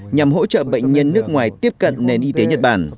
nhằm hỗ trợ bệnh nhân nước ngoài tiếp cận nền y tế nhật bản